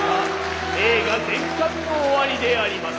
映画全巻の終わりであります。